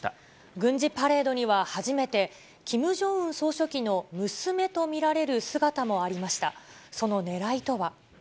軍事パレードには初めて、キム・ジョンウン総書記の娘と見られる姿もありました。